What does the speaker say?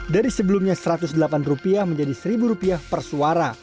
dari sebelumnya rp satu ratus delapan menjadi rp satu per suara